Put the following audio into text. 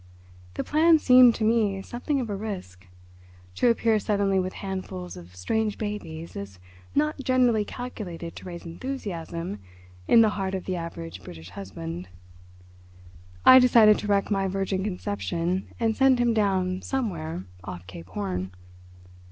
The plan seemed to me something of a risk. To appear suddenly with handfuls of strange babies is not generally calculated to raise enthusiasm in the heart of the average British husband. I decided to wreck my virgin conception and send him down somewhere off Cape Horn.